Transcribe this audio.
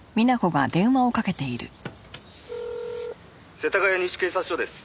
「世田谷西警察署です。